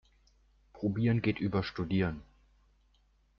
Probieren geht über Studieren.